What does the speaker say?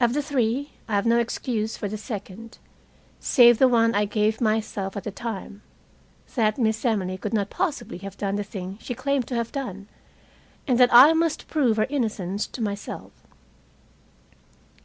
Of the three, I have no excuse for the second, save the one I gave myself at the time that Miss Emily could not possibly have done the thing she claimed to have done, and that I must prove her innocence to myself.